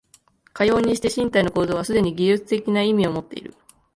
かようにして身体の構造はすでに技術的な意味をもっている。